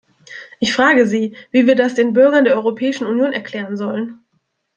Ich frage Sie, wie wir das den Bürgern der Europäischen Union erklären sollen.